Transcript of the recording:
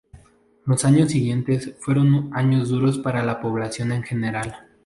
Los años siguientes, fueron años duros para la población en general.